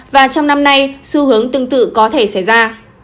và trong năm nay xu hướng tương tự có thể xảy ra